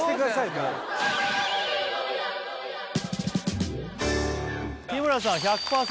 もう日村さん１００％